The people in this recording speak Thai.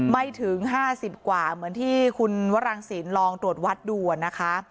ไม่ถึง๕๐กว่าเหมือนที่คุณวรังศิลปลองตรวจวัดดูนะคะ